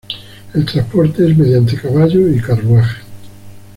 El transporte es mediante caballos y carruajes.